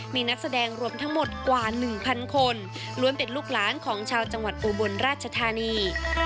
มีนักแสดงรวมทั้งหมดกว่า๑๐๐คนล้วนเป็นลูกหลานของชาวจังหวัดอุบลราชธานี